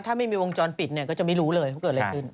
ถ้าไม่มีวงจรปิดเนี่ยก็จะไม่รู้เลยว่าเกิดอะไรขึ้น